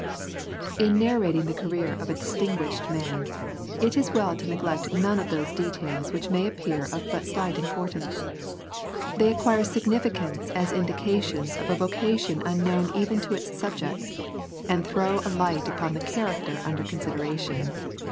In narrating the career of a distinguished man, it is well to neglect none of those details which may appear of but slight importance. They acquire significance as indications of a vocation unknown even to its subject, and throw a light upon the character under consideration.